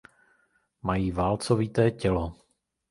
Mají válcovité tělo.